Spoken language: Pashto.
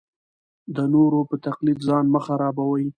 د نورو په تقلید ځان مه خرابوئ.